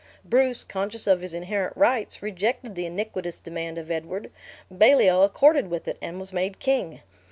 Bruce, conscious of his inherent rights, rejected the iniquitous demand of Edward; Baliol accorded with it, and was made king.